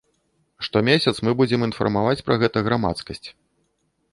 Штомесяц мы будзем інфармаваць пра гэта грамадскасць.